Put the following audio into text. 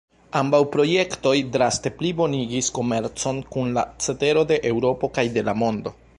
Ambaŭ projektoj draste plibonigis komercon kun la cetero de Eŭropo kaj de la mondo.